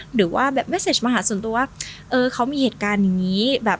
หรือว่าแบบเมสเซจมาหาส่วนตัวว่าเขามีเหตุการณ์อย่างนี้